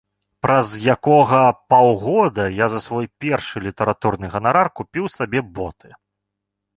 Праз якога паўгода я за свой першы літаратурны ганарар купіў сабе боты.